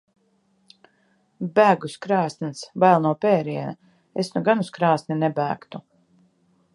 Bēg uz krāsns. Bail no pēriena. Es nu gan uz krāsni nebēgtu.